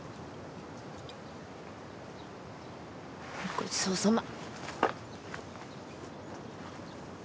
ごちそうさま。